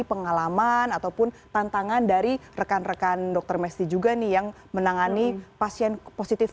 pengalaman ataupun tantangan dari rekan rekan dokter mesty juga nih yang menangani pasien positif